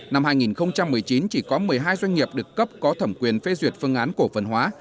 năm hai nghìn một mươi chín chỉ có một mươi hai doanh nghiệp được cấp có thẩm quyền phê duyệt phương án cổ phần hóa